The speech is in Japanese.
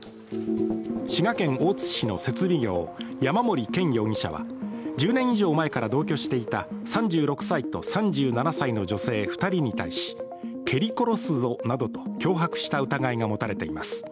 滋賀県大津市の設備業山森健容疑者は１０年以上前から同居していた３６歳と３７歳の女性２人に対し蹴り殺すぞなどと脅迫した疑いが持たれています。